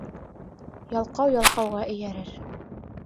Ялҡау ялҡауға эйәрер.